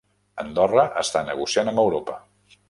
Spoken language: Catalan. Andorra està negociant amb Europa